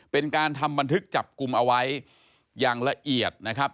เป็นการทำบันทึกจับกลุ่มเอาไว้อย่างละเอียดนะครับ